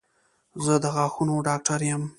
زه د غاښونو ډاکټر یم